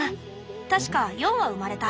確か４羽生まれた。